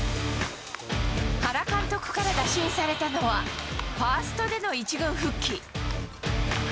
原監督から打診されたのは、ファーストでの１軍復帰。